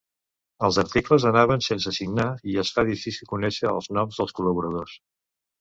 Els articles anaven sense signar i es fa difícil conèixer els noms dels col·laboradors.